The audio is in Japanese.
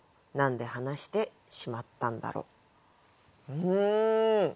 うん。